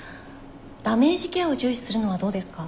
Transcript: ダメージケアを重視するのはどうですか？